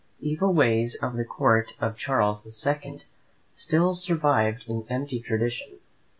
Evil ways of the court of Charles the Second still survived in empty tradition.